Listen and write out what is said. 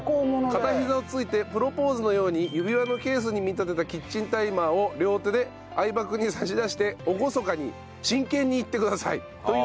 「片ひざをついてプロポーズのように指輪のケースに見立てたキッチンタイマーを両手で相葉君に差し出して厳かに真剣に言ってください」というリクエストでしたね。